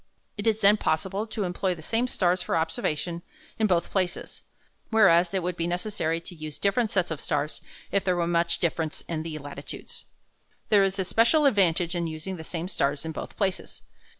It is then possible to employ the same stars for observation in both places, whereas it would be necessary to use different sets of stars if there were much difference in the latitudes. There is a special advantage in using the same stars in both places.